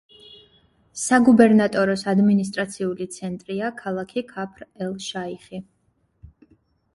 საგუბერნატოროს ადმინისტრაციული ცენტრია ქალაქი ქაფრ-ელ-შაიხი.